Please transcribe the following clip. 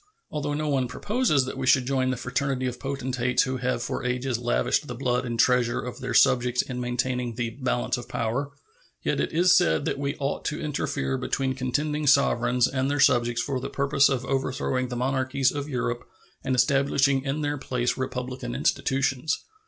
Although no one proposes that we should join the fraternity of potentates who have for ages lavished the blood and treasure of their subjects in maintaining "the balance of power," yet it is said that we ought to interfere between contending sovereigns and their subjects for the purpose of overthrowing the monarchies of Europe and establishing in their place republican institutions.